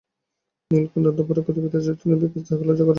নীলকণ্ঠের অন্তঃপুরে গতিবিধি আছে, সুতরাং কিরণ তাহাকে লজ্জা করে না।